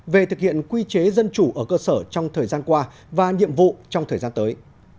về thực hiện quy chế dân chủ ở cơ sở trong thời gian qua và nhiệm vụ trong thời gian tới